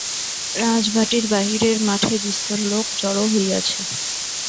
রাজবাটীর বাহিরের মাঠে বিস্তর লোক জড়ো হইয়াছে।